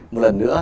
một lần nữa